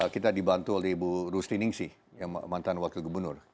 kita dibantu oleh ibu rusti ningsih yang mantan wakil gubernur